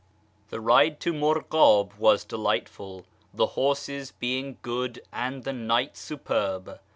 The ride to Murghab was delightful, the horses being good and the night superb.